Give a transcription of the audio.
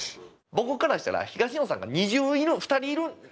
僕からしたら東野さんが二重いる２人いる。